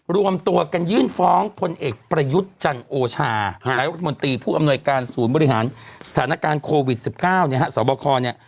รวมตัวกันยื่นฟ้องพลเอกประยุทธ์จันทร์โอชาหรือวัฒโมนตรีผู้อำนวยการศูนย์บริหารสถานการณ์โควิดสิบเก้าเนี่ยฮะ